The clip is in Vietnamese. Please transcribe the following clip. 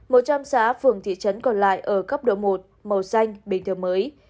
một trăm linh xã phường thị trấn còn lại ở cấp độ một màu xanh bình thường mới